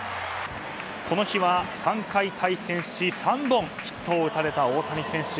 この日は３回対戦し３本、ヒットを打たれた大谷選手。